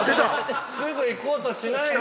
すぐ行こうとしないで。